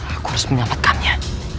aku harus menyelamatkannya